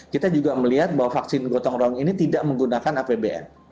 kita juga melihat bahwa vaksin gotong royong ini tidak menggunakan apbn